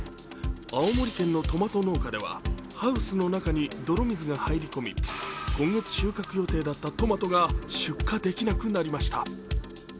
青森県のトマト農家ではハウスの中に泥水が入り込み、今月収穫予定だったトマトが出荷できなくなりました。